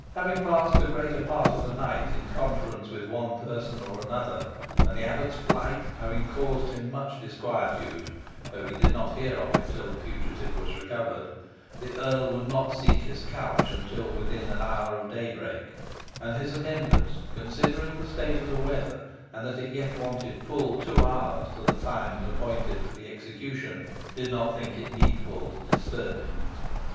Having passed the greater part of the night in conference with one person or another, and the abbot's flight having caused him much disquietude, though he did not hear of it till the fugitive was recovered; the earl would not seek his couch until within an hour of daybreak, and his attendants, considering the state of the weather, and that it yet wanted full two hours to the time appointed for the execution, did not think it needful to disturb him.